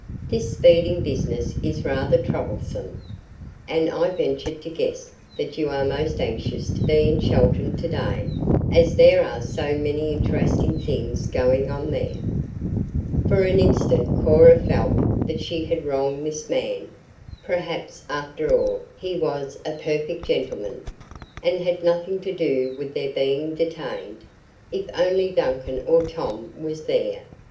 This speeding business is rather troublesome, and I ventured to guess that you are most anxious to be in Chelton to day, as there are so many interesting things going on there." For an instant Cora felt that she had wronged this man. Perhaps, after all, he was a perfect gentleman, and had nothing to do with their being detained. If only Duncan or Tom was there!